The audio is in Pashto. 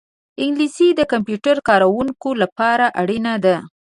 انګلیسي د کمپیوټر کاروونکو لپاره اړینه ده